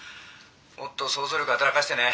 もっと想像力働かせてね。